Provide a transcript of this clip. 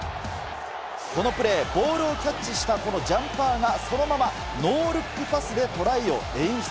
このプレー、ボールをキャッチしたこのジャンパーが、そのままノールックパスでトライを演出。